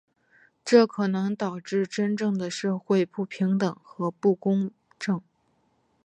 这可能导致真正的社会不平等和不公正。